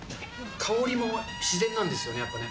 香りも自然なんですよね、やっぱね。